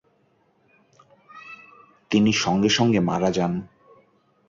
তিনি সঙ্গে সঙ্গে মারা যান।